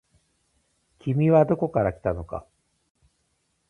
君はどこから来たのか。